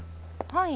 はい。